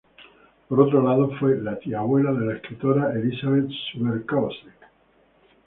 Por otro lado, fue tía abuela de la escritora Elizabeth Subercaseaux.